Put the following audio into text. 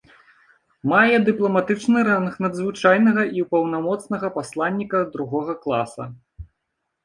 Мае дыпламатычны ранг надзвычайнага і паўнамоцнага пасланніка другога класа.